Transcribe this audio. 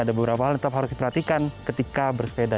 ada beberapa hal yang tetap harus diperhatikan ketika bersepeda